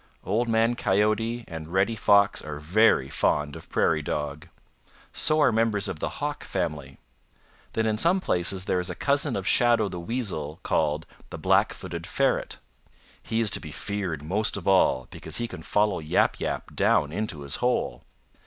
"Old Man Coyote and Reddy Fox are very fond of Prairie Dog. So are members of the Hawk family. Then in some places there is a cousin of Shadow the Weasel called the Black footed Ferret. He is to be feared most of all because he can follow Yap Yap down into his hole.